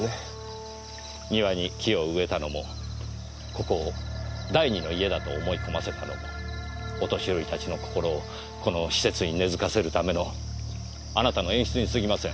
庭に木を植えたのもここを第二の家だと思い込ませたのもお年寄り達の心をこの施設に根付かせるためのあなたの演出に過ぎません。